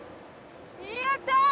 やったー！